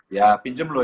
ya pinjem lu ya